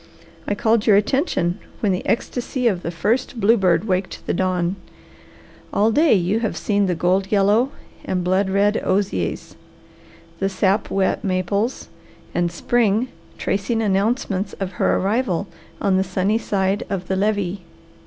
"I called your attention when the ecstasy of the first bluebird waked the dawn. All day you have seen the gold yellow and blood red osiers, the sap wet maples and spring tracing announcements of her arrival on the sunny side of the levee."